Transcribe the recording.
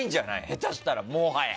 下手したら、もはや。